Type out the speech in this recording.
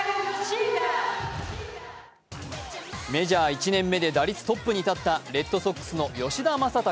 メジャー１年目で打率トップに立ったレッドソックスの吉田正尚。